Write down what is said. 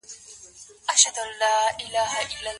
ژورنالیزم پوهنځۍ بې بودیجې نه تمویلیږي.